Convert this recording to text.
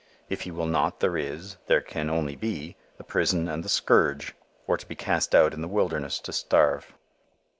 If he will not, there is, there can only be, the prison and the scourge, or to be cast out in the wilderness to starve.